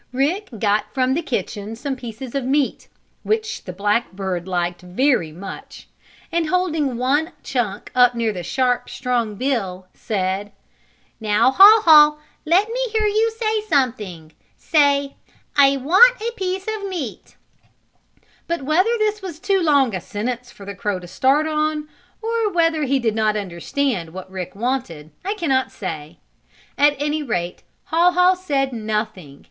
Rick got from the kitchen some pieces of meat, which the black bird liked very much, and, holding one chunk up near the sharp, strong bill, said: "Now, Haw Haw, let me hear you say something! Say 'I want a piece of meat!'" But whether this was too long a sentence for the crow to start on, or whether he did not understand what Rick wanted I can not say. At any rate Haw Haw said nothing.